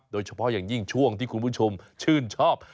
โดยเฉพาะอย่างยิ่งช่วงที่คุณผู้ชมชื่นชอบ